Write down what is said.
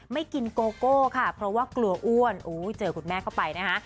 ไม่กินโกโก้ค่ะเพราะว่ากลัวอ้วนเจอคุณแม่เข้าไปนะคะ